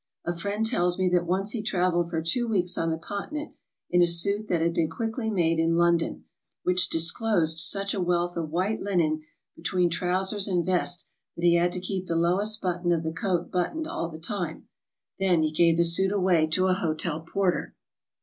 A friend tells me that once he traveled for two weeks on the Continent in a suit that bad been quickly made in London, which disclosed such a wealth of white linen be tween trousers and vest that he had to keep the lowest button of the coat buttor^ed all the time. Then be gave the suit away to a hotel portier.